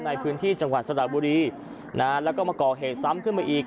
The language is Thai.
ในพื้นที่จังหวัดสระบุรีนะฮะแล้วก็มาก่อเหตุซ้ำขึ้นมาอีก